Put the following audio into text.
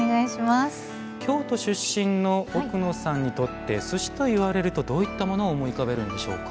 京都出身の奥野さんにとって寿司といわれるとどういったものを思い浮かべるんでしょうか？